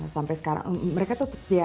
sampai sekarang mereka tuh